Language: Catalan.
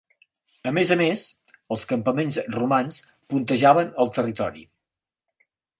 A més a més, els campaments romans puntejaven el territori.